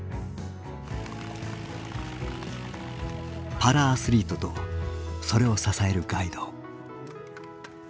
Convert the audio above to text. パラアスリートとそれを支えるガイド。